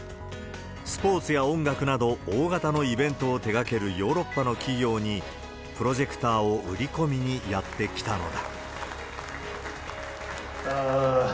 スポーツや音楽など大型のイベントを手がけるヨーロッパの企業に、プロジェクターを売り込みにやって来たのだ。